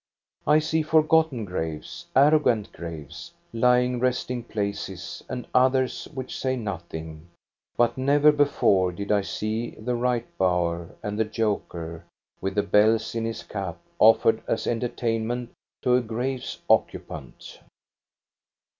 I see forgotten graves, arrogant graves, lying resting places, and others which say nothing, but never before did I see the right bower and the Joker with the bells in his cap offered as entertainment to a grave's occupant.